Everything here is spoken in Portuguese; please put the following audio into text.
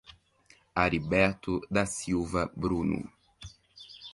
Ariberto da Silva Bruno